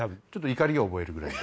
怒りを覚えるぐらいに。